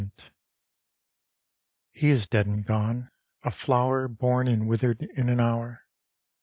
] E is dead and gone ŌĆö a flower Born and withered in an hour.